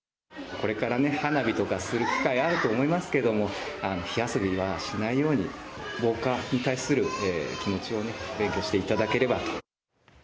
これから花火とかをする機会がありますけど火遊びはしないように防火に対する気持ちを勉強していただければと。